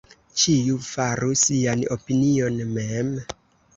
Ĉiu faru sian opinion mem.